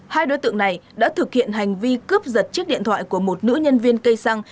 hai đối tượng này đã thực hiện hành vi cướp giật chiếc điện thoại của một nữ nhân viên cây xăng